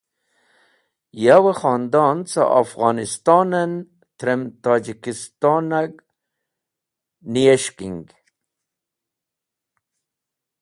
Yow-e khondon cẽ Afghoniston en trem (Tojikiston)nag niyes̃hking.